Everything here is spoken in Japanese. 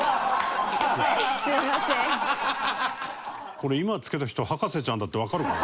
これ今つけた人は『博士ちゃん』だってわかるかな？